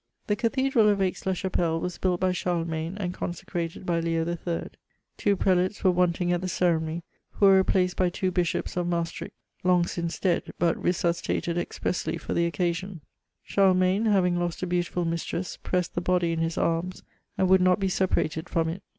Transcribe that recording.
The cathedral of Aix la Chapelle was built by Charlemagne and consecrated by Leo III. Two prelates were wanting at the ceremony, who were replaced by two bishops of Maestricht} long since dead, but resuscitated expressly for ihe occasion. Charlemagne having lost a beautiful mistress, pressed the body in his arms, and would not be separated from it.